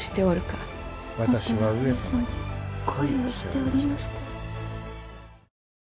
もとは上様に恋をしておりましたよ。